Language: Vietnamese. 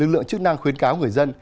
lực lượng chức năng khuyến cáo người dân